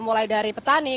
mulai dari petani